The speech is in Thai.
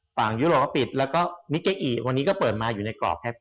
ยุโรปก็ปิดแล้วก็นิเกอีวันนี้ก็เปิดมาอยู่ในกรอบครับ